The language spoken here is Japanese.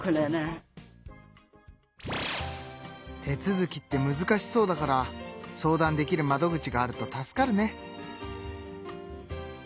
手続きってむずかしそうだから相談できる窓口があると助かるね。